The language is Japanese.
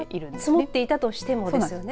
積もっていたとしてもですよね。